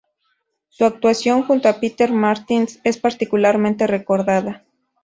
Su actuación junto a Peter Martins es particularmente recordada.